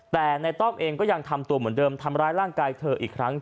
แต่ในต้อมเองก็ยังทำตัวเหมือนเดิมทำร้ายร่างกายเธออีกครั้ง